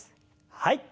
はい。